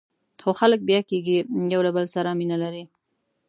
خو خلک بیا کېږي، یو له بل سره مینه لري.